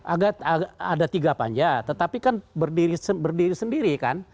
ada tiga panja tetapi kan berdiri sendiri kan